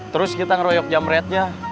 terus kita ngeroyok jamretnya